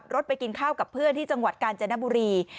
ไปกินข้าวกับเพื่อนที่จังหวัดกาญจนบุรี